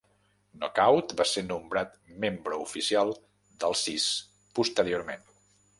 Knockout va ser nombrat membre oficial dels Sis posteriorment.